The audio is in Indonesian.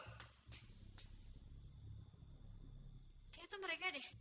kayaknya itu mereka deh